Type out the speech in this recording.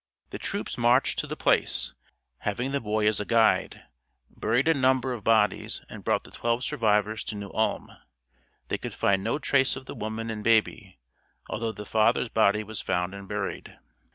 The troops marched to the place, having the boy as a guide, buried a number of bodies and brought the twelve survivors to New Ulm. They could find no trace of the woman and baby, although the father's body was found and buried.